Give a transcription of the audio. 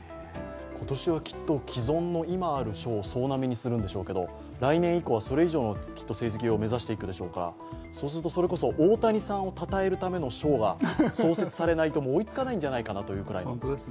今年はきっと既存の今ある賞を総なめにするんでしょうが来年以降はそれ以上の成績を目指していくからでしょうからそうすると、大谷さんをたたえるための賞が創設されないと追いつかないんじゃないかというくらいの。